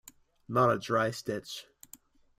Not a dry stitch.